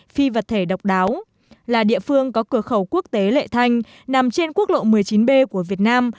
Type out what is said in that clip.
phi vật thể độc đáo là địa phương có cửa khẩu quốc tế lệ thanh nằm trên quốc lộ một mươi chín b của việt nam